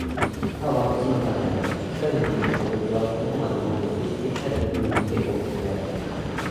多は一の多である。然るに個物は何処までも独立的たることによって個物である。